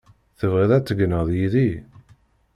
Tebɣiḍ ad tegneḍ yid-i?